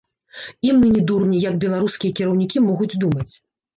І мы не дурні, як беларускія кіраўнікі могуць думаць.